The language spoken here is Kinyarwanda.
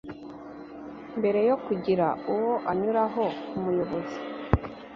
Mbere yo kugira uwo anyuraho umuyobozi